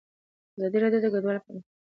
ازادي راډیو د کډوال په اړه څېړنیزې لیکنې چاپ کړي.